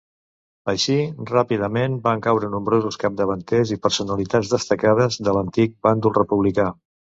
Així, ràpidament van caure nombrosos capdavanters i personalitats destacades de l'antic bàndol republicà.